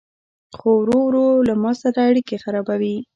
خو ورو ورو له ما سره اړيکي خرابوي